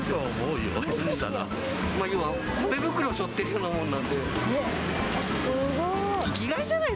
ようは米袋しょってるようなもんなんで。